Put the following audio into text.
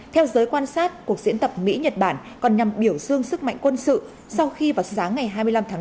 theo giới quan sát cuộc diễn tập mỹ nhật bản còn nhằm biểu dương sức mạnh quân sự sau khi vào sáng ngày hai mươi năm tháng năm